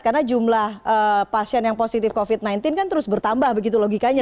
karena jumlah pasien yang positif covid sembilan belas kan terus bertambah begitu logikanya